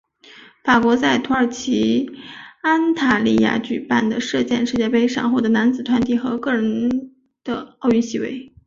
法国在土耳其安塔利亚举办的射箭世界杯上获得男子团体和个人的奥运席位。